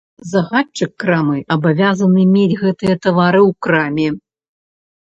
Загадчык крамы абавязаны мець гэтыя тавары ў краме.